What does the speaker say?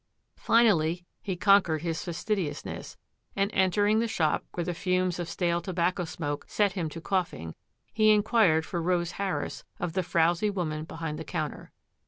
Finally he conquered his fastidiousness, and en tering the shop, where the fumes of stale tobacco smoke set him to coughing, he inquired for Rose Harris of the frowsy woman behind the counter.